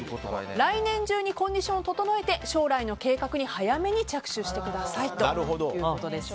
来年中にコンディションを整えて将来の計画に早めに着手してくださいということです。